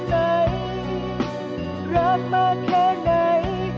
จับมือสุขและสลาดไจมันระเบิด